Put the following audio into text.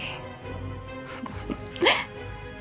supaya al makin pusing sendiri